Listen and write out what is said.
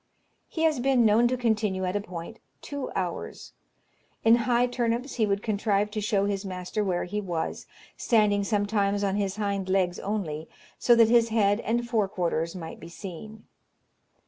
He has been known to continue at a point two hours. In high turnips he would contrive to show his master where he was, standing sometimes on his hind legs only, so that his head and fore quarters might be seen.